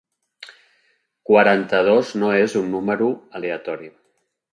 Quaranta-dos no és un número aleatori.